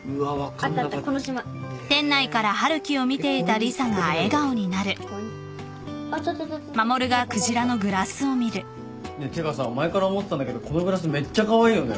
トロッコトロッコ。ってかさ前から思ってたんだけどこのグラスめっちゃカワイイよね。